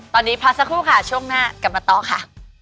ตอนนี้พักสักครู่ค่ะช่วงหน้ากลับมาต่อค่ะ